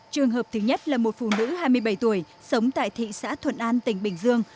trường hợp thứ nhất là một phụ nữ hai mươi bảy tuổi sống tại thị xã thuận an tỉnh bình dương